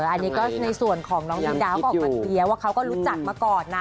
อันนี้ก็ในส่วนของน้องนิวดาวก็ออกมาเคลียร์ว่าเขาก็รู้จักมาก่อนนะ